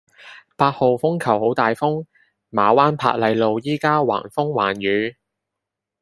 八號風球好大風，馬灣珀麗路依家橫風橫雨